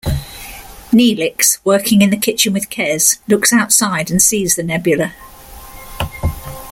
Neelix, working in the kitchen with Kes, looks outside and sees the nebula.